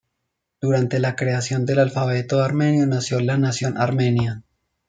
Durante la creación del alfabeto armenio nació la nación armenia.